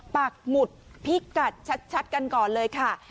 ปากหมุดพิกัดชัดกันก่อนเลยค่ะ